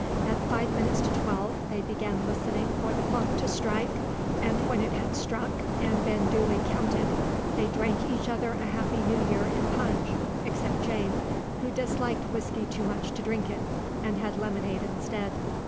At five minutes to twelve they began listening for the clock to strike, and when it had struck and been duly counted, they drank each other a happy new year in punch, except Jane, who disliked whisky too much to drink it, and had lemonade instead.